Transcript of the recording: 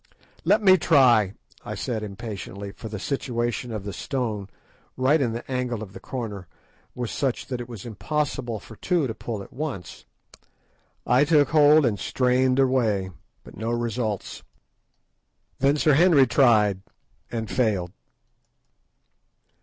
"Let me try," I said impatiently, for the situation of the stone, right in the angle of the corner, was such that it was impossible for two to pull at once. I took hold and strained away, but no results. Then Sir Henry tried and failed.